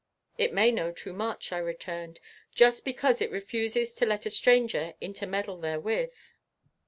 "It may know it too much," I returned, "just because it refuses to let a stranger intermeddle therewith."